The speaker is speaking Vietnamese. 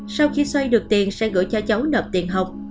sau khi xoay được tiền sẽ gửi cho cháu nợp tiền học